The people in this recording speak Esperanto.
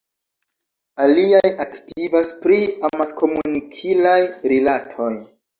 Aliaj aktivas pri amaskomunikilaj rilatoj.